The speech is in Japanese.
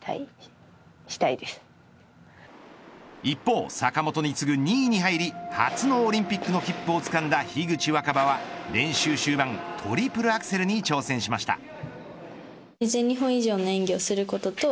一方、坂本に次ぐ２位に入り初のオリンピックの切符をつかんだ樋口新葉は練習終盤トリプルアクセルに挑戦しました。